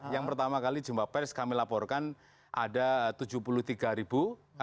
yang pertama kali jumpa pers kami laporkan ada tujuh puluh tiga ribu